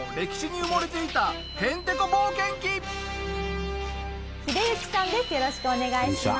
よろしくお願いします。